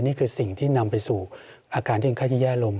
นี่คือสิ่งที่นำไปสู่อาการที่คนไข้ที่แย่ลง